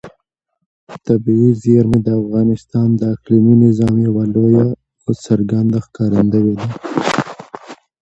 طبیعي زیرمې د افغانستان د اقلیمي نظام یوه لویه او څرګنده ښکارندوی ده.